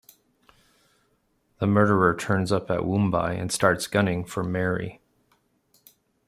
The murderer turns up at Woombai and starts gunning for Mary.